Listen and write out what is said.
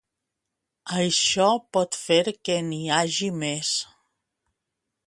Això pot fer que n’hi hagi més.